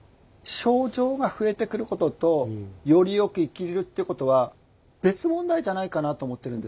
症状が増えてくることとよりよく生きるってことは別問題じゃないかなと思っているんですよ。